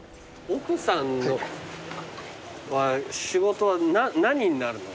奥さんの仕事は何になるの？